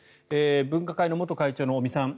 分科会の元会長の尾身さん